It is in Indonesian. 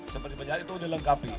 seperti penjara itu dilengkapi